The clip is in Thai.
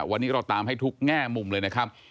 วันนี้เราตามให้ทุกแง่มุมเลยนะครับ